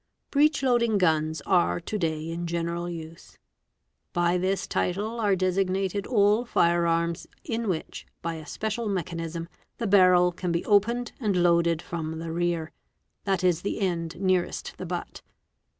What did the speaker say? Breech loading guns are to day in general use. By this title are desig nated all fire arms in which, by a special mechanism, the barrel can be opened and loaded from the rear, that is the end nearest the butt.